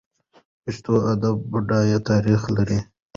پښتو ادب بډایه تاریخ لري.